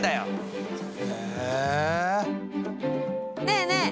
ねえねえ